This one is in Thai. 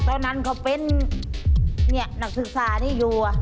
ตอนนั้นเขาเป็นนักศึกษานี่อยู่